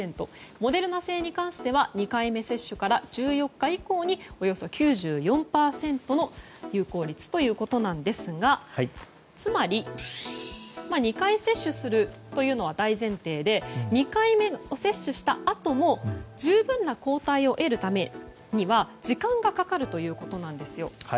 モデルナ製に関しては２回目接種から１４日以降におよそ９４％の有効率ということなんですがつまり、２回接種するというのは大前提で２回目を接種したあとも十分な抗体を得るためには時間がかかるということなんですよ。